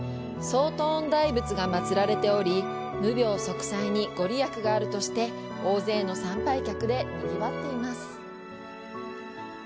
ソートーン大仏が祀られており、無病息災にご利益があるとして、大勢の参拝客でにぎわっています。